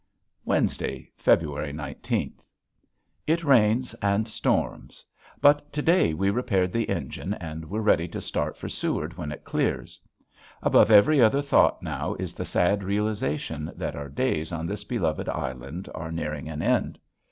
Wednesday, February nineteenth. It rains and storms. But to day we repaired the engine and we're ready to start for Seward when it clears. Above every other thought now is the sad realization that our days on this beloved island are nearing an end.